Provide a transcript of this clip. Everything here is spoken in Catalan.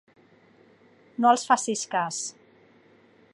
No els facis cas.